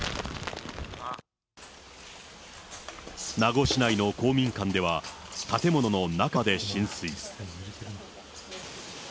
名護市内の公民館では、建物の中まで浸水。